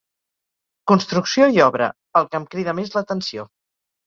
“Construcció i Obra”, el que em crida més l'atenció.